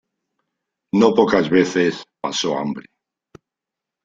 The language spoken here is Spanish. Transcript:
No pocas veces pasó hambre.